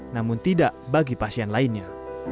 namun tidak bagi pasien lainnya